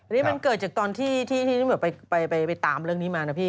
นี่มันเกิดจากตอนที่ไปตามเรื่องนี้มานะพี่